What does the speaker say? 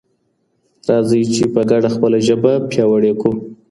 راځئ چي په ګډه خپله ژبه پیاوړې کړو.